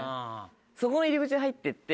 そこの入り口で入ってって。